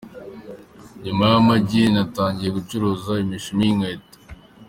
Nyuma y’amagi, natangiye gucuruza imishumi y’nkweto.